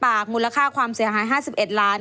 ทำหลายปากมูลค่าความเสียหาย๕๑ล้าน